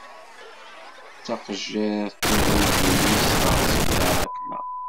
D taqejjirt n ugujil i tesɣersen taṛakna.